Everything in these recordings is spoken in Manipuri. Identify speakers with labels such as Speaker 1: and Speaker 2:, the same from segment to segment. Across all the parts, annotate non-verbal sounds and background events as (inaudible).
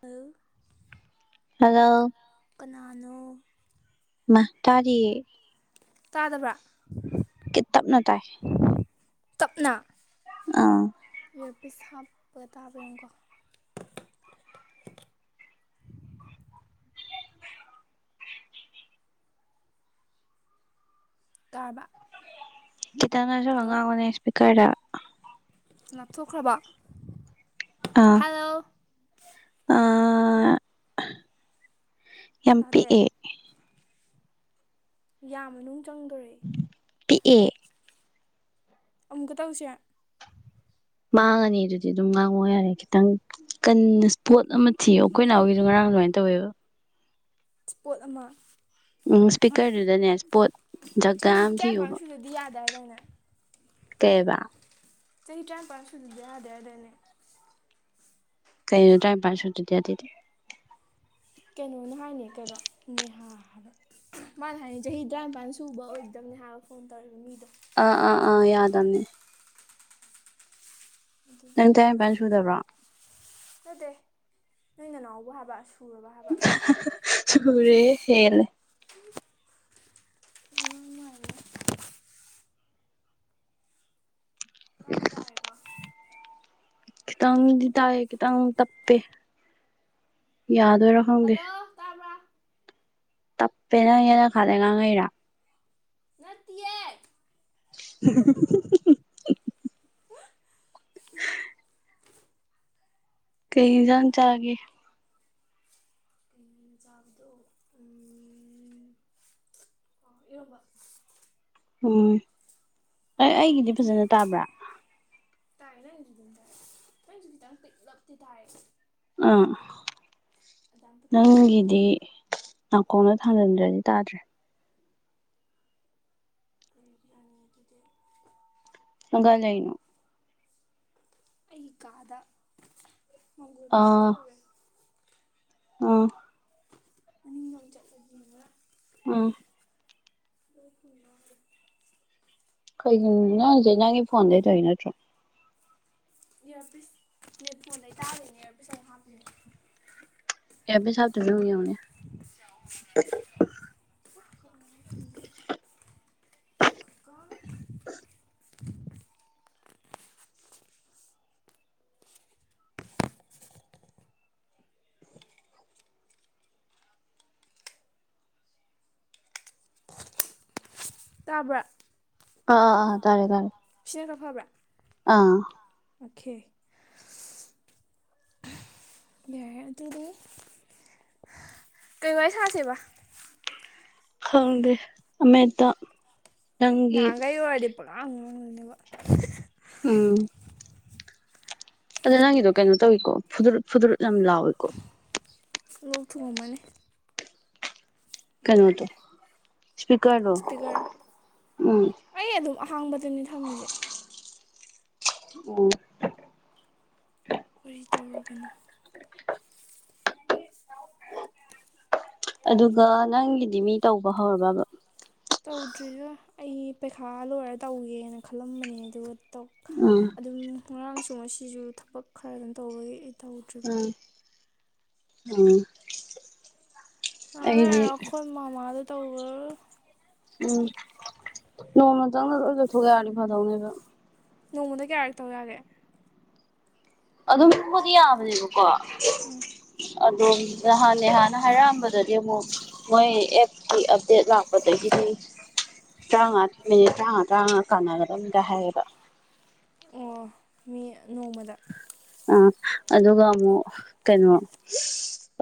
Speaker 1: ꯍꯜ
Speaker 2: ꯍꯜꯂꯣ
Speaker 1: ꯀꯅꯥꯅꯣ
Speaker 2: ꯃꯥ ꯇꯥꯔꯤꯌꯦ
Speaker 1: ꯇꯥꯗꯕ꯭ꯔꯥ
Speaker 2: ꯇꯞꯅ ꯇꯥꯏ
Speaker 1: ꯇꯞꯅ
Speaker 2: ꯑꯥ
Speaker 1: ꯏꯌꯥꯔꯄꯤꯁ ꯍꯥꯞꯄ ꯇꯥꯕ꯭ꯔ ꯌꯦꯡꯉꯨꯀꯣ ꯇꯥꯕ
Speaker 2: ꯆꯈꯤꯇꯅꯁꯁꯨ ꯍꯉꯅꯦ ꯏꯁꯄꯤ ꯈꯔ
Speaker 1: ꯉꯥꯞꯊꯣꯛꯈ꯭ꯔꯕ
Speaker 2: ꯑꯥ
Speaker 1: ꯍꯂꯣ
Speaker 2: ꯑꯦꯝ ꯄꯤ
Speaker 1: ꯇꯥꯗꯦ
Speaker 2: ꯑꯦ
Speaker 1: ꯌꯥꯝꯃꯅꯨ ꯆꯪꯗꯣꯔꯛ
Speaker 2: ꯄꯤꯛꯑꯦ
Speaker 1: ꯑꯝꯀꯗ ꯎꯆ ꯎꯆꯦ
Speaker 2: ꯃꯥꯡꯉꯅꯤ ꯑꯗꯨꯗꯤ ꯑꯗꯨꯝ ꯉꯥꯡꯉꯣ ꯌꯥꯔꯦ ꯈꯤꯇꯪ ꯀꯟꯅ ꯏꯁꯄꯣꯠ ꯑꯃ ꯊꯤꯌꯣ ꯑꯩꯈꯣꯏ ꯅꯥꯎꯒꯤꯁꯨ ꯉꯔꯥꯡ ꯑꯗꯨꯃꯥꯏꯅ ꯇꯧꯋꯦꯕ
Speaker 1: ꯄꯣꯠ ꯑꯃ
Speaker 2: ꯎꯝ ꯁ꯭ꯄꯤꯀꯔꯗꯨꯗꯅꯦ ꯁ꯭ꯄꯣꯠ
Speaker 1: ꯆꯍꯤ ꯆꯍꯤ ꯇ꯭ꯔꯃꯥ ꯁꯅꯗꯤ ꯌꯥꯗ ꯍꯥꯏ ꯆꯂꯥꯏꯅ
Speaker 2: ꯀꯩꯕ
Speaker 1: ꯆꯍꯤ ꯇꯔꯥꯅꯤꯄꯥꯟ ꯁꯨꯗꯗꯤ ꯌꯥꯗꯦ ꯌꯥꯗꯣꯏꯅꯦ
Speaker 2: ꯀꯩꯩꯅ ꯇꯥꯏꯝ ꯄꯥꯏꯁꯇꯗ ꯇꯗꯤ
Speaker 1: ꯀꯩꯅꯣꯅ ꯍꯥꯏꯅꯤ ꯀꯩꯕ ꯅꯦꯍꯥ ꯍꯥꯏꯕ ꯃꯥꯅ ꯍꯥꯏꯅꯤ ꯆꯍꯤ ꯇꯔꯥꯅꯤꯄꯜ ꯁꯨꯕ ꯑꯣꯏꯗꯕꯅꯦ ꯍꯥꯏꯕ ꯐꯣꯟ ꯇꯧꯔꯦ ꯃꯤꯗꯣ
Speaker 2: ꯑꯥ ꯑꯥ ꯑꯥ ꯌꯥꯗꯃꯦ ꯅ
Speaker 1: ꯑꯗꯨꯒꯤ
Speaker 2: ꯇꯌꯦꯝ ꯄꯟ ꯁꯗꯕ꯭ꯔꯥ
Speaker 1: ꯑꯗꯨꯗꯦ ꯅꯣꯏꯅ ꯅꯅꯥꯎꯕ ꯍꯥꯕꯛꯑꯁꯨ ꯄꯨꯔꯕ ꯍꯥꯕ
Speaker 2: ꯨꯔꯦ ꯍꯦꯂꯦ
Speaker 1: ꯅꯪ ꯃꯥꯏꯅ ꯇ ꯑꯗꯨꯗꯔꯕ
Speaker 2: ꯈꯤꯇꯪꯗꯤ ꯇꯥꯏꯑꯦ ꯈꯤꯇꯪ ꯇꯞꯄꯦ ꯌꯥꯗ ꯑꯣꯏꯔꯣꯡꯒꯦ
Speaker 1: ꯍꯜꯂꯣ ꯇꯥꯕ꯭ꯔꯥ
Speaker 2: ꯇꯞꯄꯦꯅꯪ ꯍꯦꯟꯅ ꯈꯥꯗ ꯉꯥꯡꯉꯩꯔꯥ
Speaker 1: ꯉꯠꯇꯌꯥ
Speaker 2: (unintelligible) ꯀꯩꯖꯟ ꯆꯒꯦ
Speaker 1: ꯀꯩꯅꯣꯅ ꯆꯥꯕꯗꯣ ꯑꯣ ꯏꯔꯕ
Speaker 2: ꯎꯝ ꯑꯦ ꯑꯩꯒꯤꯗꯤ
Speaker 1: ꯅꯨꯡꯇꯤ
Speaker 2: ꯐꯖꯅ ꯇꯥꯕ꯭ꯔꯥ
Speaker 1: ꯇꯥꯏ ꯔꯟꯖ ꯇꯥꯏ ꯔꯟꯖꯨꯒꯤ ꯇꯥꯡ ꯄ ꯂꯞꯇ ꯇꯥꯏ
Speaker 2: ꯑꯥ
Speaker 1: ꯑꯗꯨꯒ ꯑꯗꯥꯝ ꯄꯤꯛꯄꯗꯤ ꯅꯠꯇꯦ
Speaker 2: ꯅꯪꯒꯤꯗꯤ ꯅꯥꯀꯣꯡꯅ ꯊꯥꯡꯅꯟꯗ꯭ꯔꯅꯤ ꯇꯥꯗ꯭ꯔꯦ
Speaker 1: ꯐꯒꯤ ꯑꯅꯤ ꯑꯗꯨꯗꯤ
Speaker 2: ꯪ ꯀꯖꯏꯩꯅꯣ
Speaker 1: ꯑꯩꯒꯤ ꯀꯥꯗ ꯃꯒꯣ ꯑꯗꯨꯁꯨ ꯊꯣꯔꯦ
Speaker 2: ꯑ
Speaker 1: ꯑ ꯌ ꯆ ꯂꯩꯅꯨꯡ
Speaker 2: ꯑ
Speaker 1: ꯃꯗ
Speaker 2: ꯀꯣꯏꯒꯤ ꯅꯪꯁꯦ ꯅꯪꯒꯤ ꯐꯣꯟꯗꯩ ꯇꯧ ꯅꯠꯇ꯭ꯔꯣ
Speaker 1: ꯏꯌꯥꯔꯄꯤꯤꯁ ꯅ ꯐꯣꯟ ꯂꯩꯇꯥꯥꯕꯅꯦ ꯏꯌꯥꯔꯄꯤꯁ ꯂ ꯍꯥꯞꯄꯅꯦ
Speaker 2: ꯑꯦꯕ ꯍꯇꯅꯅ (inaudible)
Speaker 1: (inaudible) ꯇꯥꯕ꯭ꯔ
Speaker 2: ꯑ ꯑ ꯑꯥ ꯇꯥꯔꯦ ꯇꯥꯔꯦ
Speaker 1: ꯆꯔ ꯐꯕ꯭ꯔꯥ
Speaker 2: ꯑꯥ
Speaker 1: ꯑꯈꯦ ꯌꯥꯔꯦ ꯑꯗꯨꯗꯤ ꯀꯩ ꯋꯥ ꯁꯥꯁꯦꯕ
Speaker 2: ꯈꯥꯎꯒꯦ ꯑꯃꯗ
Speaker 1: ꯅꯍꯟꯒꯩ ꯑꯣꯏꯔꯗꯤ ꯄꯂꯥꯛ ꯃꯔꯣꯏꯅꯕ
Speaker 2: ꯎꯝ ꯑꯗꯣ ꯅꯪꯒꯤꯗꯣ ꯀꯩꯅꯣ ꯇꯧꯋꯀꯣ ꯐ ꯐ (unintelligible) ꯂꯑꯣꯀꯣ
Speaker 1: ꯄꯨꯊꯨꯑꯝꯃꯅꯤ
Speaker 2: ꯀꯩꯅꯣꯗ
Speaker 1: ꯏꯁꯄꯤꯀꯔ
Speaker 2: ꯎꯝ
Speaker 1: ꯑꯩ ꯑꯗꯨꯝ ꯑꯍꯥꯡꯕꯗꯨꯅꯤ ꯊꯝꯃꯤꯁꯦ
Speaker 2: ꯑꯣ
Speaker 1: ꯀꯔꯤ ꯇꯧꯔꯕꯅꯣ
Speaker 2: ꯑꯗꯨꯒ ꯅꯪꯒꯤꯗꯤ ꯃꯤ ꯇꯧꯕ ꯍꯧꯔꯕꯕ
Speaker 1: ꯇꯧꯗ꯭ꯔꯤꯗ ꯑꯩ ꯄꯩꯈꯥ ꯂꯣꯏꯔ ꯇꯧꯒꯦꯅ ꯈꯜꯂꯝꯕꯅꯦ ꯑꯗꯨꯒꯧ
Speaker 2: ꯎꯝ
Speaker 1: ꯑꯗꯨꯝ ꯉꯔꯥꯡꯁꯨ ꯉꯁꯤꯁꯨ ꯊꯕꯛ ꯈꯔꯗꯅ ꯇꯧꯕꯒꯤ ꯇꯧꯗ꯭ꯔꯤꯕ
Speaker 2: ꯎꯝ ꯎꯝ ꯑꯩꯗꯤ
Speaker 1: ꯇꯧꯋ
Speaker 2: ꯎꯝ ꯅꯣꯡꯃ ꯆꯪꯅ ꯂ ꯆꯠꯊꯣꯛꯦ ꯌꯥꯅꯤ ꯐꯥꯗꯧꯅꯦꯕ
Speaker 1: ꯅꯣꯡꯃꯗ ꯀꯌꯥꯔ ꯇꯧ ꯌꯥꯒꯦ
Speaker 2: ꯑꯗꯨꯝꯕꯨꯗꯤꯌꯥꯕꯅꯤ ꯀꯣ ꯑꯗꯣꯝ ꯅꯍꯥꯟꯅꯦ ꯍꯥꯟꯅ ꯍꯥꯏꯔꯛꯑꯝꯕꯗꯗꯤ ꯑꯃꯨꯛ ꯃꯣꯏ ꯑꯦꯞꯀꯤ ꯑꯞꯗꯦꯠ ꯂꯥꯛꯄꯗꯒꯤꯗꯤ ꯇꯔꯥꯃꯉꯥ ꯃꯤꯅꯤꯠ ꯇꯔꯥꯃꯉꯥ ꯇꯔꯥꯃꯉꯥ ꯀꯥꯟꯅꯒꯗꯅꯤꯗ ꯍꯥꯏꯌꯦꯕ
Speaker 1: ꯑꯣ ꯃꯤ ꯅꯣꯡꯃꯗ
Speaker 2: ꯑ ꯑꯗꯨꯒ ꯑꯃꯨꯛ ꯀꯩꯅꯣ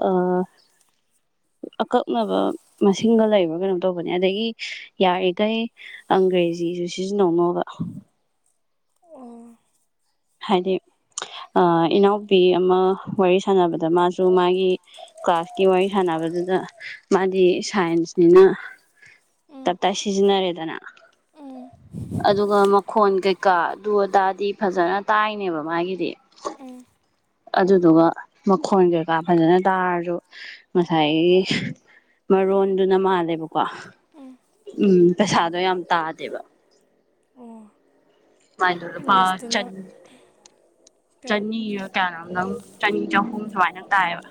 Speaker 2: ꯑꯥ ꯑꯀꯛꯅꯕ ꯃꯁꯤꯡꯒ ꯂꯩꯕ꯭ꯔꯥ ꯀꯩꯅꯣ ꯇꯧꯕꯅꯦ ꯑꯗꯒꯤ ꯌꯥꯔꯤꯈꯩ ꯑꯪꯒ꯭ꯔꯦꯖꯤꯁꯨ ꯁꯤꯖꯤꯟꯅꯧꯅꯣꯕ
Speaker 1: ꯑꯣ
Speaker 2: ꯍꯥꯏꯗꯤ ꯑꯥ ꯏꯅꯥꯎꯄꯤ ꯑꯃ ꯋꯥꯔꯤ ꯁꯥꯟꯅꯕꯗ ꯃꯥꯁꯨ ꯃꯥꯒꯤ ꯀ꯭ꯂꯥꯁꯀꯤ ꯋꯥꯔꯤ ꯁꯅꯕꯗꯨꯗ ꯃꯥꯗꯤ ꯁꯥꯏꯟꯁꯅꯤꯅ ꯇ
Speaker 1: ꯎꯝ
Speaker 2: ꯇ ꯁꯤꯖꯅꯦ ꯆꯅ
Speaker 1: ꯎꯝ
Speaker 2: ꯑꯗꯨꯒ ꯃꯈꯣꯟ ꯀꯩ ꯀꯥ ꯑꯗꯨ ꯑꯗꯥꯗꯤ ꯐꯖꯅ ꯇꯥꯏꯅꯦꯕ ꯗꯤ
Speaker 1: ꯎꯝ
Speaker 2: ꯑꯗꯨꯗꯨꯒ ꯃꯈꯣꯟꯖ‌ꯦ ꯀꯀꯥ ꯐꯖꯅ ꯇꯥꯔꯁꯨ ꯉꯁꯥꯏꯒꯤ ꯃꯔꯣꯟꯗꯨꯅ ꯃꯥꯜꯂꯦꯕꯀꯣ
Speaker 1: ꯎꯝ
Speaker 2: ꯎꯝ ꯄꯩꯁꯥꯗꯣ ꯌꯥꯝ ꯇꯥꯗꯦꯕ
Speaker 1: ꯑꯣ
Speaker 2: ꯃꯥꯏꯄꯥ ꯆ
Speaker 1: ꯏꯪꯂꯤꯁꯇꯅ ꯀꯌꯥ
Speaker 2: ꯆꯅꯤ ꯀꯌꯥꯩꯅꯣꯝꯗꯪ ꯆꯅꯤ ꯆꯍꯨꯝ ꯁꯨꯃꯥꯏꯅ ꯇꯥꯏꯑꯕ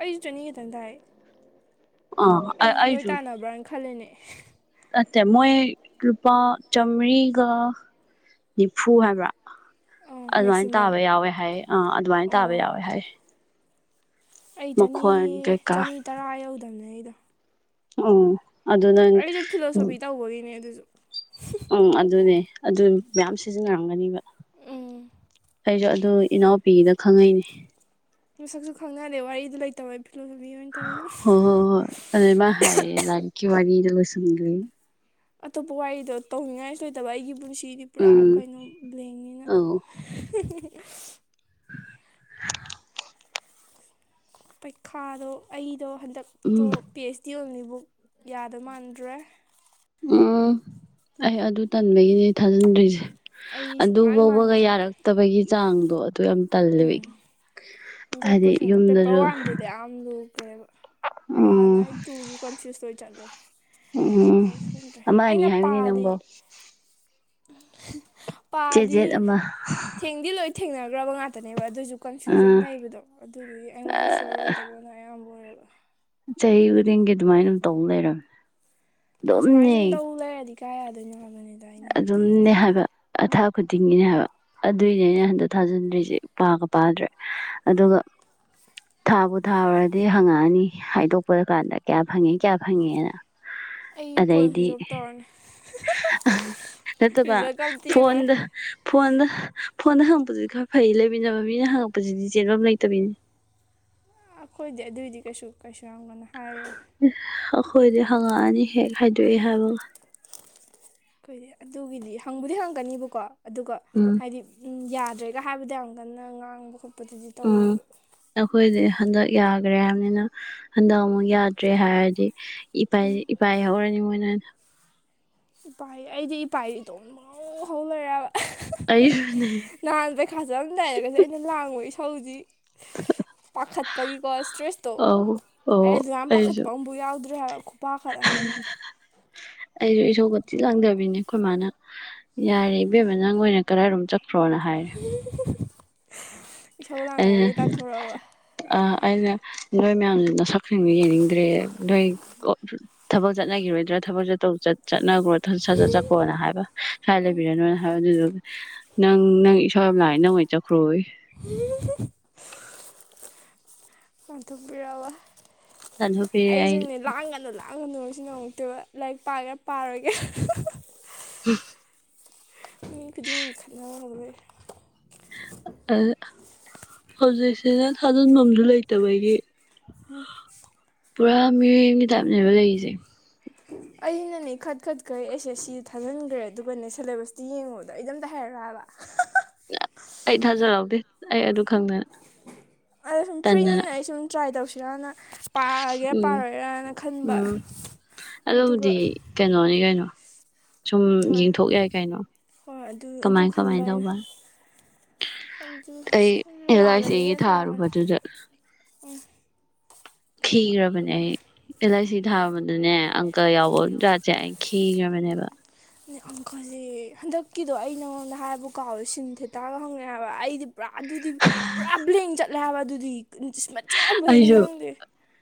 Speaker 1: ꯑꯩꯁꯨꯁꯨꯅꯤꯉ ꯇꯗꯑ
Speaker 2: ꯑꯥ
Speaker 1: ꯑꯩꯗꯤ ꯅꫭꯏ
Speaker 2: ꯑꯩꯁꯨ
Speaker 1: ꯇꯥꯟꯅꯕ꯭ꯔꯅ ꯈꯜꯂꯤꯅꯦ
Speaker 2: ꯅꯠꯇꯦ ꯃꯣꯏ ꯂꯨꯄꯥ ꯆꯥꯝꯃꯔꯤꯒ ꯅꯤꯐꯨ ꯍꯥꯏꯕ꯭ꯔꯥ
Speaker 1: ꯑꯥ
Speaker 2: ꯑꯗꯨꯃꯥꯏꯅ
Speaker 1: ꯃꯦꯛꯁꯤꯃꯝ
Speaker 2: ꯇꯥꯕ ꯌꯥꯎꯋꯦ ꯍꯥꯏꯌ‌ꯦ ꯑꯥ ꯑꯗꯨꯃꯥꯏꯅ
Speaker 1: ꯑꯣ
Speaker 2: ꯇꯥꯕ ꯌꯥꯎꯋꯦ ꯍꯥꯏꯌ‌ꯦ
Speaker 1: ꯑꯩ ꯆꯅꯤ
Speaker 2: ꯀꯩꯀꯥ
Speaker 1: ꯆꯅꯤ ꯇꯔꯥ ꯌꯧꯗꯕꯅꯦ ꯑꯩꯗꯣ
Speaker 2: ꯑ
Speaker 1: ꯑꯩꯁꯨ ꯐꯤꯂꯣꯁꯣꯐꯤ ꯇꯧꯕꯒꯤꯅꯦ ꯑꯗꯨꯁꯨ
Speaker 2: ꯎꯝ ꯑꯗꯨꯅꯦ ꯑꯗꯨ ꯃꯌꯥꯝ ꯁꯤꯖꯤꯟꯅꯔꯝꯒꯅꯤꯕ
Speaker 1: ꯎꯝ
Speaker 2: ꯑꯩꯁꯨ ꯑꯗꯨ ꯏꯅꯥꯎꯄꯤꯒꯤꯗ ꯈꯪꯉꯛꯩꯅꯦ
Speaker 1: ꯃꯁꯛꯁꯨ ꯈꯪꯅꯍꯂꯦ ꯋꯥꯔꯤꯗꯨ ꯂꯩꯇꯕ
Speaker 2: ꯍ ꯍꯣ ꯍꯣꯏ ꯑꯗꯨ ꯃꯥ ꯍꯥꯏ ꯂꯥꯟꯈꯀꯤ ꯋꯥꯅꯤ ꯂꯁꯒ
Speaker 1: ꯑꯇꯣꯞꯄ ꯋꯥꯔꯤꯗꯣ ꯇꯧꯅꯤꯡꯉꯥꯏꯁꯨ ꯂꯩꯇꯕ ꯑꯩꯒꯤ ꯄꯨꯟꯁꯤ ꯁꯤꯗꯤ ꯄꯨꯔꯥ
Speaker 2: ꯎꯝ
Speaker 1: ꯀꯩꯅꯣ ꯕ꯭ꯂꯦꯡꯅꯤꯅ
Speaker 2: ꯑꯧ (unintelligible)
Speaker 1: ꯄꯩꯈꯥꯗꯣ ꯑꯩ ꯣ ꯍꯟꯗꯛꯇꯣ
Speaker 2: ꯎꯝ
Speaker 1: ꯄꯤ ꯑꯩꯆ ꯗꯤ ꯑꯣꯏꯅꯤ ꯡ ꯌꯥꯗꫭꯏ ꯃꯥꯟꯗ꯭ꯔꯦ
Speaker 2: ꯎꯝ ꯑꯩ ꯑꯗꯨ ꯇꯟꯕꯒꯤꯅꯦ ꯊꯥꯖꯤꯟꯗ꯭ꯣꯏꯁꯦ
Speaker 1: ꯑꯩ
Speaker 2: ꯑꯗꯨ
Speaker 1: ꯁꯨꯡꯃꯥꯟ
Speaker 2: ꯐꯥꯎꯕꯒ
Speaker 1: ꯃꯥꯟꯗ꯭ꯔꯦ
Speaker 2: ꯌꯥꯔꯛꯇꯕꯒꯤ ꯆꯥꯡꯗꯣ ꯌꯥꯝ ꯇꯜꯂꯦꯕ
Speaker 1: ꯎꯝ ꯍꯗꯛ
Speaker 2: ꯍꯥꯏꯗꯤ
Speaker 1: ꯀꯣꯏꯁꯟ ꯄꯦꯄꯔ
Speaker 2: ꯌꯨꯝꯗꯁꯨ
Speaker 1: ꯋꯥꯟꯗꯨꯗ ꯌꯥꯝ ꯂꯨꯈ꯭ꯔꯦꯕ ꯋꯥꯟ
Speaker 2: ꯎꯝ
Speaker 1: ꯑꯩ ꯇꯨꯁꯨ ꯀꯟꯐ꯭ꯌꯨꯁ ꯑꯣꯏ ꯆꯠꯂꯦ
Speaker 2: ꯎꯝ
Speaker 1: ꯑꯩ ꯈꯪꯗ꯭ꯔꯦ
Speaker 2: ꯑꯃ ꯑꯅꯤ
Speaker 1: ꯑꯩꯅ
Speaker 2: ꯍꯥꯏꯕꯅꯤ
Speaker 1: ꯄꯥꯗꯤ
Speaker 2: ꯅꯪꯕꯣ
Speaker 1: (unintelligible)
Speaker 2: ꯆꯦꯠ
Speaker 1: ꯄꯥꯗꯤ
Speaker 2: ꯆꯦꯠ ꯑꯃ
Speaker 1: ꯊꯦꯡꯗꯤ ꯂꯣꯏ ꯊꯦꯡꯅꯈ꯭ꯔꯕ ꯉꯥꯛꯇ ꯇꯅ‌ꯦꯕ ꯑꯗꫭꯏꯖꯨꯛ
Speaker 2: ꯑ
Speaker 1: ꯀꯟꯐ꯭ꯌꯨꯖꯟ ꯂꯩꯕꯗꯣ ꯑꯗꯨꯗꯨꯒꯤ ꯑꯩꯉꯣꯟꯗ ꯁꯤꯌꯔꯣꯏꯗꯕꯅ ꯑꯌꯥꯝꯕ ꯑꯣꯏꯔ ꯑꯗꯨ
Speaker 2: ꯆꯥꯍꯤ ꯈꯨꯗꯤꯡꯒꯤ ꯑꯗꯨꯃꯥꯏꯅ ꯑꯗꯨꯝ ꯇꯧꯂꯩꯔꯃꯤ
Speaker 1: ꯑꯗ ꯁꯨꯃꯥꯏꯁꯟ ꯇ ꯂꯩꯑꯗꯤ ꯀꯌꯥ ꯑꯗꯨꯅ
Speaker 2: ꯑꯗꯨꯝꯅꯦ ꯍꯥꯏꯕ ꯑꯊꯥ ꯈꯨꯗꯤꯡꯒꯤꯅꯦ ꯍꯥꯏꯕ ꯑꯗꯨꯏꯅꯦ ꯑꯩꯅ ꯍꯟꯗꯛ ꯊꯥꯖꯤꯟꯗ꯭ꯔꯤꯁꯦ ꯄꯥꯒ ꯄꯥꯗ꯭ꯔꯦ ꯑꯗꯨꯒ ꯊꯥꯕꯨ ꯊꯥꯔꯨꯔꯗꯤ ꯍꯪꯉꯛꯑꯅꯤ ꯍꯥꯏꯗꯣꯛꯄ ꯀꯥꯟꯗ ꯀꯌꯥ ꯐꯪꯉꯦ ꯀꯌꯥ ꯐꯪꯉꯦꯅ
Speaker 1: ꯑꯩ ꯐꯣꯟ
Speaker 2: ꯑꯗꯩꯗꯤ
Speaker 1: ꯁꯨ꯭ꯏꯋ ꯑꯣꯞ ꯇꯧꯔꯅꯤ
Speaker 2: ꯅꯠꯇꯕ
Speaker 1: ꯔꯤꯖꯜꯀ ꯑꯝꯇ ꯌꯦꯡꯉꯣꯏ
Speaker 2: ꯐꯣꯟꯗ ꯐꯣꯟꯗ ꯐꯣꯟꯅ ꯍꯪꯉꯛꯄꯁꯤꯗꯤ ꯈꯔ ꯐꯩ ꯂꯩꯃꯤꯟꯅꯕ ꯃꯤꯅ ꯍꯪꯉꯛꯄꯁꯤꯗꯤ ꯆꯦꯟꯐꯝ ꯂꯩꯇꯕꯤꯅꯤ
Speaker 1: ꯑꯩꯈꯣꯏꯗꯤ ꯑꯗꯨꯏꯗꯤ ꯀꯩꯁꯨ ꯀꯩꯁꯨ ꯌꯥꯝ ꯀꯟꯅ ꯍꯥꯏꯔꯣꯏ
Speaker 2: ꯑꯩꯈꯣꯏꯗꯤ ꯍꯪꯉꯛꯑꯅꯤ ꯍꯦ ꯈꯥꯏꯗꯣꯛꯑꯦ ꯍꯥꯏꯕ
Speaker 1: ꯀꯣꯏꯔ ꯑꯗꯨꯒꯤꯗꯤ ꯍꯪꯕꯨꯗꯤ ꯍꯪꯒꯅꯤꯕꯀꯣ ꯑꯗꯨꯒ
Speaker 2: ꯎꯝ
Speaker 1: ꯍꯥꯏꯗꯤ ꯌꯥꯗ꯭ꯔꯦꯒ ꯍꯥꯏꯕꯗ ꯌꯥꯝ ꯀꯟꯅ ꯉꯥꯡꯕ ꯈꯣꯠꯄ
Speaker 2: ꯎꯝ ꯑꯩꯈꯣꯏꯗ ꯍꯟꯗꯛ ꯌꯥꯈ꯭ꯔꯦ ꯍꯥꯏꯕꯅꯤꯅ ꯍꯟꯗꯛ ꯑꯃꯨꯛ ꯌꯥꯗ꯭ꯔꯦ ꯍꯥꯏꯔꯗꯤ ꯏꯄꯥꯏ
Speaker 1: ꯎꯝ
Speaker 2: ꯏꯄꯥꯏꯍꯧꯔꯅꯤ ꯃꯣꯏꯅ (unintelligible)
Speaker 1: ꯏꯄꯥꯏ ꯑꯩꯗꯤ ꯏꯄꯥꯏ ꯏꯇꯣꯝ ꯄꯪꯍꯧ ꯍꯧ ꯂꯩꯔ‌ꯦꯍꯥꯏꯕ
Speaker 2: ꯑꯩꯁꯨꯅꯦ
Speaker 1: ꯅꯍꯥꯟ ꯄꯩꯈꯥꯁꯦ ꯑꯗꯨꯝ ꯂꯩꯔꯒꯁꯨ ꯑꯩꯅ ꯂꯥꯡꯕ ꯊꯖꯤꯛ ꯄꯥꯈꯠꯄꯒꯤꯀꯣ ꯏꯁꯇ꯭ꯔꯦꯁꯇꯣ
Speaker 2: ꯑꯧ ꯑꯧ
Speaker 1: ꯑꯩ ꯑꯗꯨ ꯌꯥꯝ
Speaker 2: ꯑꯩꯁꯨ
Speaker 1: ꯄꯥꯈꯠꯄ ꯑꯃꯐꯥꯎ ꯌꯥꯎꯗ (unintelligible) ꯄꯥꯈꯠꯂꯝꯅꯤ
Speaker 2: ꯑꯩꯁꯨ ꯏꯁꯣꯔ ꯀꯇꯤ ꯂꯪꯗꯕꯤꯅꯦ ꯑꯩꯈꯣꯏ ꯃꯥꯅ ꯌꯥꯔꯦ ꯏꯕꯦꯝꯃ ꯅꯪ ꯑꯣꯏꯅ ꯀꯔꯏꯔꯣꯝ ꯆ ꯐ꯭ꯔꯣꯅ ꯍꯥꯏꯔꯦ
Speaker 1: ꯏꯁꯧ
Speaker 2: ꯑꯩꯅ
Speaker 1: ꯂꯥꯡꯕꯒꯤ ꯇꯥꯟꯊꯣꯔꯛꯑꯕ
Speaker 2: ꯑ ꯑꯩꯅ ꯅꯣꯏ ꯃꯌꯥꯝ ꯅꯁꯛ ꯈꯪꯕ ꯌꯦꯡꯅꯤꯡꯗ꯭ꯔꯦ ꯅꯣꯏ ꯊꯕꯛ ꯆꯠꯅꯈꯤꯔꯣꯏꯗ꯭ꯔꯥ ꯊꯕꯛꯁ ꯆꯠ ꯆꯠ ꯠꯅ꯭ꯔꯣ ꯁꯖꯠ ꯆꯠꯈꯣꯅ ꯍꯥꯏꯕ ꯀꯥꯏ ꯂꯩꯕꯤꯔꯅꯣꯅ ꯍꯥꯏꯕ ꯑꯗꯨꯗꯨꯒ ꯅꯪ ꯅꯪ ꯏꯁꯣꯔ ꯑꯃ ꯂꯥꯏ ꯅꯪꯉꯣꯏ ꯆꯠꯈ꯭ꯔꯏ
Speaker 1: (unintelligible) ꯑꯟꯊ ꯄꯔ ꯋꯥ
Speaker 2: ꯆꯂꯣ ꯐꯔꯏ
Speaker 1: ꯄꯥꯛ ꯉꯝꯗꯉꯁꯨ ꯉꯝꯃꯛꯇꯦꯕ ꯂꯥꯏꯔꯤꯛ ꯄꯥꯒꯦꯔꯥ ꯄꯥꯔꯣꯏꯒꯦ
Speaker 2: ꯍ
Speaker 1: ꯃꯤ ꯈꯨꯗꯤꯡ ꯂꯤꯡꯈꯠꯅ ꯉꯝꯔꯣꯏ
Speaker 2: ꯍꯧꯖꯤꯛꯁꯤꯅ ꯊꯥꯖꯤꯟꯐꯝꯗꯨ ꯂꯩꯇꯕꯒꯤ
Speaker 1: ꯎ
Speaker 2: ꯄꯨꯔꯥ ꯃꯤꯔꯒꯤ ꯇꯥꯏꯞꯅꯦꯕ ꯂꯩꯔꯤꯁꯦ
Speaker 1: ꯑꯩꯅꯅꯦ ꯈꯠ ꯈꯠ ꯈꯩ ꯑꯦꯁ ꯑꯦꯁ ꯁꯤ ꯊꯥꯖꯤꯟꯈ꯭ꯔꯦ ꯑꯗꯨꯒꯅꯦ ꯁꯤꯦꯂꯦꯕꯁꯇꯤ ꯌꯦꯡꯉꯨꯕꯗꯣ ꯑꯩꯗ ꯑꯝꯇ ꯍꯥꯏꯔꯛꯑꯕ
Speaker 2: ꯑꯩ ꯊꯥꯖꯔꯛꯎꯗꯦ ꯑꯩ ꯑꯗꯨ ꯈꯪꯗꯅ
Speaker 1: ꯑꯗꯣ ꯁꯨꯝ
Speaker 2: ꯇꯟꯗꯅ
Speaker 1: ꯐ꯭ꯔꯤꯅꯤꯅ ꯑꯩ ꯁꯨꯝ ꯇ꯭ꯔꯥꯏ ꯇꯧꯁꯤꯦ ꯌꯥꯌꯥꯅ
Speaker 2: ꯎꯝ
Speaker 1: ꯈꯟꯕ
Speaker 2: ꯎꯝ
Speaker 1: ꯑꯗꯨꯒ
Speaker 2: ꯑꯗꯨꯕꯨꯗꯤ ꯀꯩꯅꯣꯅꯤ ꯀꯩꯅꯣ ꯁꯨꯝ
Speaker 1: ꯍꯣꯏ
Speaker 2: ꯌꯦꯡꯊꯣꯛ ꯌꯥꯏ ꯀꯩꯅꯣ
Speaker 1: ꯍꯣꯏ ꯑꯗꯨ ꯑꯗꯨ
Speaker 2: ꯀꯃꯥꯏ
Speaker 1: ꯈꯟꯕ
Speaker 2: ꯀꯃꯥꯏꯅ
Speaker 1: ꯑꯩꯅ
Speaker 2: ꯇꯧꯕ
Speaker 1: ꯑꯗꯨ
Speaker 2: ꯑꯩ ꯑꯦꯜ
Speaker 1: ꯔꯥꯎꯟ
Speaker 2: ꯑꯥꯏ ꯁꯤꯒꯤ
Speaker 1: ꯑꯅꯤꯒ ꯊꯥꯕꯅꯦ
Speaker 2: ꯊꯥꯔꯨꯕꯗꯨꯗ
Speaker 1: ꯎꯝ
Speaker 2: ꯊꯤ꯭ꯔꯕꯅꯦ ꯑꯦꯂ ꯁꯤ ꯊꯥꯕꯗꯨꯅꯦ ꯑꯪꯀ ꯌꯥꯎ ꯔꯥꯖꯦ ꯍꯥꯏ ꯊꯤꯈ꯭ꯔꯕꯅꯦꯕ
Speaker 1: ꯑ ꯑꯪꯈꯜꯁꯦ ꯍꯟꯗꯛꯀꯤꯗꯣ ꯑꯩ ꯅꯉꯣꯟꯗ ꯍꯥꯏꯕꯨ ꯀꯥꯎꯋꯦ ꯁꯤꯟ ꯊꯦ ꯇꯔꯒ ꯍꯪꯉꯦ ꯍꯥꯏꯕ ꯑꯩꯗꯤ ꯄꯨꯔꯥ ꯑꯗꯨꯗꯤ ꯄꯨꯔꯥ ꯕ꯭ꯂꯦꯡ ꯆꯠꯂꯦ ꯍꯥꯏꯕ ꯑꯗꯨ ꯁꯃ
Speaker 2: ꯑꯁꯨꯣ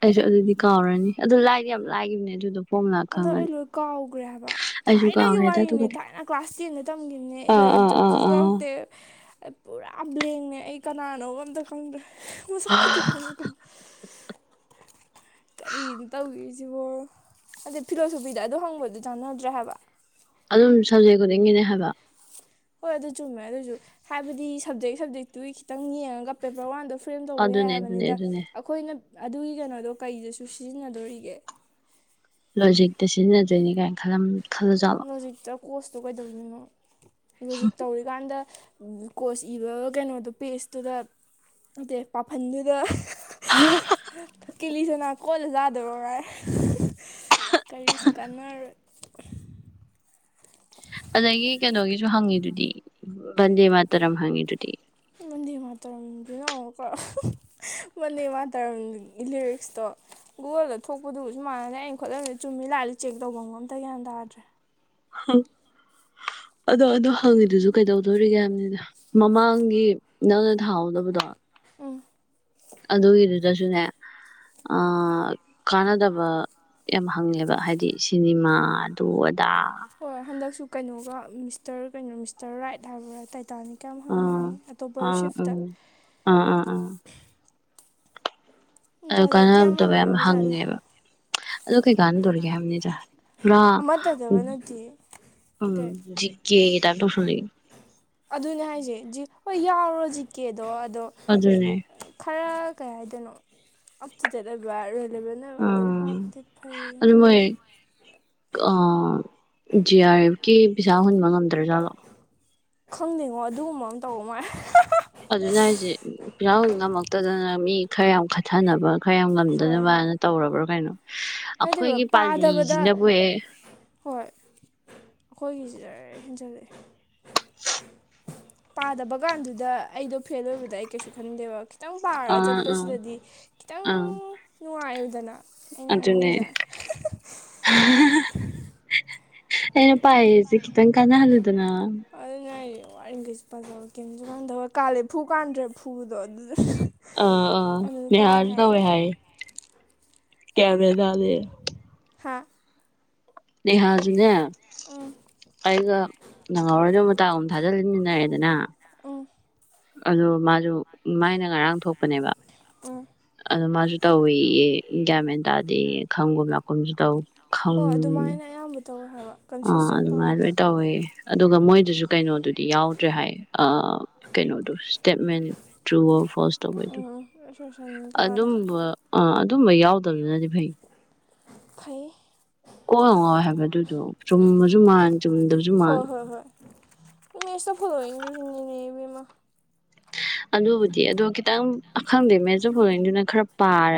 Speaker 2: ꯑꯖ ꯑꯗꯨ ꯀꯥꯎꯔꯅꯤ ꯑꯗꯨ ꯂꯥꯏꯗꯤ ꯌꯥꯝ ꯂꯥꯏꯒꯤꯈꯤꯕꯅꯦ ꯑꯗꯨꯗꯣ ꯐꯣꯝ ꯂꯥꯛ
Speaker 1: ꯑꯗꯣ ꯑꯩ
Speaker 2: ꯈꯪꯉꯅꯤ
Speaker 1: ꯂꯣꯏ ꯀꯥꯎꯈ꯭ꯔꯦꯕ
Speaker 2: ꯑꯩꯁꯨ
Speaker 1: ꯊꯥꯏꯅꯒꯤ
Speaker 2: ꯀꯥꯎꯔꯦꯗ
Speaker 1: ꯋꯥꯔꯤꯅꯦ
Speaker 2: ꯑꯗꯨꯒꯗꯤ
Speaker 1: ꯊꯥꯏꯅ ꯀ꯭ꯂꯥꯁ ꯇꯦꯟꯗ ꯇꯝꯈꯤꯕꯅꯦ
Speaker 2: ꯑꯥ
Speaker 1: ꯏꯂꯚꯦꯟ
Speaker 2: ꯑꯥ
Speaker 1: ꯆ
Speaker 2: ꯑꯥ
Speaker 1: ꯆꯁꯨ ꯂꯧꯔꯛꯇꯦ ꯑꯩ ꯄꯨꯔꯥ ꯕ꯭ꯂꯦꯡꯉꯦ ꯑꯩ ꯀꯅꯥꯅꯣ ꯑꯝꯇ ꯈꯪꯗ꯭ꯔꯦ ꯃ ꯁꯛ
Speaker 2: ꯑꯥ
Speaker 1: ꯀꯊꯤ ꯈꯥ ꯈ ꯀꯔꯤꯅ ꯇꯧꯈꯤꯔꯤꯁꯤꯕꯣ ꯑꯗꯨꯗꯩ ꯐꯤꯂꯣꯁꯣꯐꯤꯗ ꯑꯗꯨ ꯍꯪꯕꯗꯨ ꯆꯥꯟꯅꯗ꯭ꯔꯦ ꯍꯥꯏꯕ
Speaker 2: ꯑꯗꯨꯝ ꯁꯕꯖꯦꯛ ꯈꯨꯗꯤꯡꯒꯤꯅꯦ ꯍꯥꯏꯕ
Speaker 1: ꯍꯣꯏ ꯑꯗꯨ ꯆꯨꯝꯃꯦ ꯑꯗꯨꯁꯨ ꯍꯥꯏꯕꯗꯤ ꯁꯞꯖꯦꯛ ꯁꯞꯖꯦꯛꯇꯨꯒꯤ ꯈꯤꯇꯪ ꯌꯦꯡꯉꯒ ꯄꯦꯄꯔ ꯋꯥꯟꯗ ꯐ꯭ꯔꯦꯝ ꯇꯧꯕ ꯌꯥꯏ
Speaker 2: ꯑꯗꯨꯅꯦ ꯑꯗꯨꯅꯦ
Speaker 1: ꯍꯥꯏꯕꯅꯤꯗ
Speaker 2: ꯑꯗꯨꯅꯦ
Speaker 1: ꯑꯩꯈꯣꯏꯅ ꯑꯗꯨꯒꯤ ꯀꯩꯅꯣꯗꯣ ꯀꯩꯗꯁꯨ ꯁꯤꯖꯤꯟꯅꯗꯣꯔꯤꯒꯦ
Speaker 2: ꯂꯣꯖꯤꯛꯛꯇ ꯁꯤꯖꯤꯟꯅꯖꯣꯏꯅꯤ ꯀꯥꯏ ꯈꯜꯂꯝ ꯈꯜꯂꯖꯕ
Speaker 1: ꯀꯣꯁꯇꯣ ꯀꯩꯗꯧꯁꯤꯣꯏꯅꯣ ꯍꯧꯖꯤꯛ ꯇꯧꯔꯤꯀꯥꯟꯗ ꯀꯣꯁ ꯏꯕ ꯀꯩꯅꯣꯗꯣ ꯄꯦꯖꯇꯨꯗ ꯑꯗꯩ ꯄꯥꯐꯟꯗꯨꯗ ꯀꯂꯤꯁꯅꯥ ꯀꯣꯜꯂ ꯆꯥꯗꯔꯔ ꯀꯔꯤꯁꯨ ꯀꯥꯟꯅꯔꯣꯏ
Speaker 2: ꯑꯗꯒꯤ ꯀꯩꯅꯣꯒꯤꯁꯨ ꯍꯪꯉꯤꯗꯨꯗꯤ ꯕꯟꯗꯦ ꯃꯥꯇꯔꯝ ꯍꯪꯉꯤꯗꯨꯗꯤ
Speaker 1: ꯃꯟꯗꯤꯦ ꯃꯥꯇꯔꯝꯗꯨꯅ ꯑꯃꯛꯀ ꯃꯟꯗꯤꯦ ꯃꯥꯇꯔꯝꯒꯤ ꯂꯤꯔꯤꯛꯁꯇꯣ ꯒꯨꯒꯜꯗ ꯊꯣꯛꯄꯗꯨꯕꯨꯁꯨ ꯃꯥꯟꯅꯩ ꯑꯩꯅ ꯈꯣꯠꯂꯝꯗ ꯆꯨꯝꯃꯤ ꯂꯥꯜꯂꯤ ꯆꯦꯛ ꯇꯧꯐꯝ ꯑꯝꯇ ꯒ꯭ꯌꯥꯟ ꯇꯥꯗ꯭ꯔꯦ
Speaker 2: ꯑꯗꯣ ꯑꯗꯨ ꯍꯪꯉꯤꯗꯨꯁꯨ ꯀꯩꯗꯧꯗꯣꯔꯤꯒꯦ ꯍꯥꯏꯕꯅꯤꯗ ꯃꯃꯥꯡꯒꯤ ꯅꯪꯅ ꯊꯥꯍꯧꯗꯕꯗꯣ
Speaker 1: ꯎꯝ
Speaker 2: ꯑꯗꯨꯒꯤꯗꯨꯗꯁꯨꯅꯦ ꯀꯥꯟꯅꯗꯕ ꯌꯥꯝ ꯍꯪꯉꯦꯕ ꯍꯥꯏꯗꯤ ꯁꯤꯅꯤꯃꯥꯗꯨ dd
Speaker 1: ꯍꯣꯏ ꯍꯟꯗꯛꯁꯨ ꯀꯩꯅꯣꯒ ꯃꯤꯁꯇꯔ ꯀꯩꯅꯣ ꯃꯤꯁꯇꯔ ꯔꯥꯏꯠ ꯍꯥꯏꯕꯥ ꯇꯥꯏ ꯇꯥꯅꯤ ꯀꯌꯥꯝ ꯍꯪꯉꯉꯥꯏꯦ
Speaker 2: ꯎꯝ
Speaker 1: ꯑꯇꯣꯞꯄ
Speaker 2: ꯑꯪ
Speaker 1: ꯁꯤꯐꯇ
Speaker 2: ꯎꯝ ꯑꯥ ꯑꯥ ꯑꯥ ꯑꯗꯨ
Speaker 1: ꯖꯥꯠ ꯖꯥꯠꯇꯤ
Speaker 2: ꯀꯥꯟꯅꯗꯕ ꯌꯥꯝ
Speaker 1: ꯍꯪꯉꯕꯖꯥꯠꯅꯤ
Speaker 2: ꯍꯪꯉꯦꯕ ꯑꯗꯨ ꯀꯩ ꯀꯥꯟꯅꯗꯣꯔꯤꯒꯦ ꯍꯥꯏꯕꯅꯤꯗ ꯄꯨ
Speaker 1: ꯑꯃꯠꯇꯗꯒ ꯅꯠꯇꯦ
Speaker 2: ꯎꯝ
Speaker 1: ꯀꯩ
Speaker 2: ꯤꯖꯦ ꯇꯀꯣ ꯁꯅꯤ
Speaker 1: ꯑꯗꯨꯅꯦ ꯍꯥꯏꯁꯦ ꯍꯣꯏ ꯌꯥꯎꯔꯣꯖꯤ ꯀꯦ ꯑꯗꯣ ꯑꯗꯣ
Speaker 2: ꯑꯗꯨꯅꯦ
Speaker 1: ꯈꯔ ꯀꯌꯥꯗꯅꯣ ꯑꯞꯊꯖꯗꯕꯔ ꯂꯩꯕꯅ ꯈꯔ
Speaker 2: ꯎꯝ
Speaker 1: ꯍꯥꯞꯇꯦ ꯐꯩ
Speaker 2: ꯑꯗꯨ
Speaker 1: ꯑꯗꯨꯅ
Speaker 2: ꯃꯣꯏ ꯑ ꯖꯤ ꯑꯔꯀꯤ ꯄꯩꯁꯥ ꯍꯨꯟꯕ ꯉꯝꯗ꯭ꯔꯖꯥꯠꯂꯣ
Speaker 1: ꯈꯪꯅꯤꯡꯉꯣ ꯑꯗꯨꯒꯨꯝꯕ ꯑꯃ ꯇꯧꯕ ꯃꯥꯂꯦ
Speaker 2: ꯑꯗꯨꯅ ꯍꯥꯏꯁꯦ ꯐꯤꯍꯥꯎ ꯉꯝꯃꯛꯇꯗꯅ ꯃꯤ ꯈꯔ ꯌꯥꯝ ꯈꯠꯊꯅꯕ ꯈꯔ ꯌꯥꯝ
Speaker 1: ꯍꯣꯏ ꯍꯣꯏ
Speaker 2: ꯉꯝꯗꯅꯕꯅ ꯇꯧꯔꯕ꯭ꯔꯥ ꯀꯩꯅꯣ
Speaker 1: ꯅꯠꯇꯦꯕ
Speaker 2: ꯑꯩꯈꯣꯏꯒꯤ
Speaker 1: ꯄꯥꯗꯕꯗ
Speaker 2: ꯄꯥꯜꯂꯤꯁꯤꯅꯕꯨꯍ
Speaker 1: ꯑꯩꯈꯣꯏꯒꯤꯁꯤ ꯂ ꯍꯦꯟꯖꯜꯂꯛꯑꯦ ꯄꯥꯗꯕ ꯀꯥꯟꯗꯨꯗ ꯑꯩꯗꯣ ꯐꯦꯜ ꯑꯣꯏꯕꯗ ꯑꯩ ꯀꯩꯁꯨ ꯈꯟꯗꯦꯕ ꯈꯤꯇꯪ ꯄꯥꯔꯒ
Speaker 2: ꯑꯥ ꯑꯥ
Speaker 1: ꯆꯠꯄꯁꯤꯗꯗꯤ ꯈꯤꯇꯪ
Speaker 2: ꯑꯥ
Speaker 1: ꯅ ꯌꯣꯖꯅꯥ
Speaker 2: ꯑꯗꯨꯅꯦ ꯑꯦꯅ ꯄꯥꯏꯖꯤ ꯇꯪ ꯀꯥꯏꯅꯍꯜꯂꯗꯅ
Speaker 1: ꯋꯥꯔꯤꯡꯈꯩꯁꯨ ꯄꯖꯕ ꯀꯁꯨ ꯉꯝꯊꯕ ꯀꯥꯜꯂꯦ ꯐꯨ ꯀꯥꯟꯗ꯭ꯔꯦ ꯐꯨꯗꯣ ꯑꯗꯨ
Speaker 2: ꯑ ꯑꯥ ꯃ
Speaker 1: ꯍꯥꯏꯕ
Speaker 2: ꯌꯥꯔꯗꯋ ꯍꯥꯏꯌꯦ ꯀꯦꯃꯦ ꯂꯗ
Speaker 1: ꯍꯥ
Speaker 2: ꯅꯦꯍꯥꯁꯨꯅꯦ
Speaker 1: ꯎꯝ
Speaker 2: ꯑꯩꯒ ꯅꯪꯍꯧꯔꯣꯏꯗ ꯑꯃꯥꯛ ꯑꯃꯨ ꯊꯥꯖꯤꯂꯃꯤꯟꯅꯔꯦꯗꯅ
Speaker 1: ꯎꯝ
Speaker 2: ꯑ ꯃꯥꯁꯨ ꯃꯥꯏꯅ ꯉꯔꯥꯡ ꯊꯣꯛꯄꯅꯦꯕ
Speaker 1: ꯑ
Speaker 2: ꯑꯗꯣ ꯃꯥꯁꯨ ꯇꯧꯋꯤꯌꯦ ꯒꯌꯥꯃꯦꯟ ꯇꯥꯔꯗꯤ ꯈꯪꯒꯨꯝ ꯂꯥꯛꯀꯨꯝꯁꯨ ꯇꯧ ꯈꯪ
Speaker 1: ꯍꯣ ꯑꯗꯨꯃꯥꯏꯅ ꯑꯌꯥꯝꯕ ꯇꯣ
Speaker 2: ꯑꯥ ꯑꯗꯨꯃꯥꯏꯅ ꯑꯗꯨꯃꯥꯏꯅ ꯇꯧꯋꯦ ꯑꯗꯨꯒ ꯃꯣꯏ ꯑꯗꯨꯁꯨ ꯀꯩꯅꯣ ꯑꯗꯨꯗꯤ ꯌꯥꯎꯗ꯭ꯔꯦ ꯍꯥꯏ ꯀꯩꯅꯣꯗꯣ ꯁꯇꯦꯠꯃꯦꯟ ꯊ꯭ꯔꯨ ꯐꯣꯁ ꯇꯧꯕꯩꯗ
Speaker 1: ꯎꯝ ꯎꯝ ꯁꯣꯏꯁꯟ ꯀꯩꯀꯥꯗꯣ
Speaker 2: ꯑꯗꯨꯝꯕ ꯑꯗꯨꯝꯕ ꯌꯥꯎꯗꯕꯗꯨꯅꯗꯤ ꯐꯩ
Speaker 1: ꯐꯩ
Speaker 2: ꯀꯣꯏ ꯉꯥꯎ ꯍꯥꯏꯕ ꯑꯗꯨꯗꯣ ꯆꯨꯝꯕꯁꯨ ꯃꯥꯟ ꯆꯨꯝꯗꯕꯁꯨ ꯃꯥꯟ
Speaker 1: ꯍꯣꯏ ꯍꯣꯏ ꯍꯣꯏ ꯃꯦꯠꯁꯇ ꯐꯣꯂꯣꯋꯤꯡꯗꯨꯁꯨꯅꯤꯅꯦ (unintelligible)
Speaker 2: ꯑꯗꯨꯕꯨꯗꯤ ꯑꯗꯣ ꯈꯤꯇꯪ ꯑꯈꯪꯗꯦ ꯃꯦꯖꯔ ꯄꯣꯕꯗꯨꯅ ꯈꯔ ꯄꯥꯔꯗꯤ